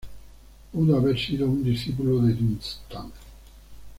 Pudo haber sido un discípulo de Dunstan.